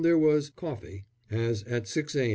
there was "coffee," as at 6 a.